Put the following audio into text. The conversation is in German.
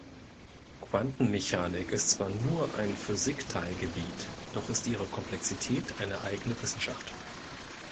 Quantenmechanik ist zwar "nur" ein Physikteilgebiet, doch ist ihre Komplexizität eine eigene Wissenschaft.